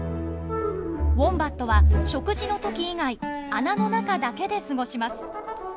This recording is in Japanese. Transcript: ウォンバットは食事の時以外穴の中だけで過ごします。